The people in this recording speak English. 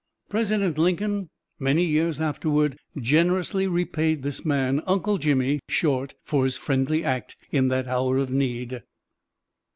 President Lincoln, many years afterward, generously repaid this man, "Uncle Jimmy" Short, for his friendly act in that hour of need.